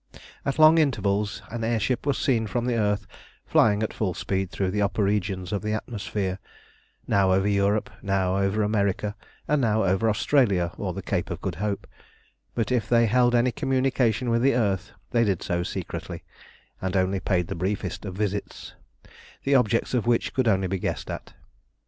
At long intervals an air ship was seen from the earth flying at full speed through the upper regions of the atmosphere, now over Europe, now over America, and now over Australia or the Cape of Good Hope; but if they held any communication with the earth they did so secretly, and only paid the briefest of visits, the objects of which could only be guessed at.